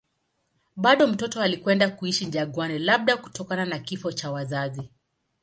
Bado mtoto alikwenda kuishi jangwani, labda kutokana na kifo cha wazazi.